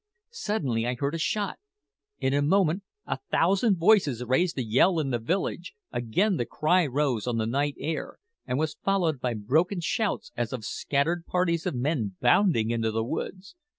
Suddenly I heard a shot. In a moment a thousand voices raised a yell in the village; again the cry rose on the night air, and was followed by broken shouts as of scattered parties of men bounding into the woods.